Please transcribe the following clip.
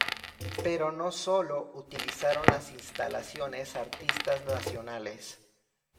Pero no sólo utilizaron las instalaciones artistas nacionales.